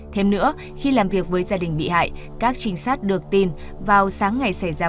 thêm nữa khi làm việc với gia đình bị hại các trinh sát được tin vào sáng ngày xảy ra